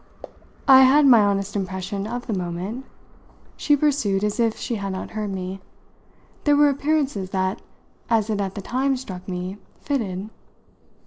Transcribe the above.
"I had my honest impression of the moment," she pursued as if she had not heard me. "There were appearances that, as it at the time struck me, fitted."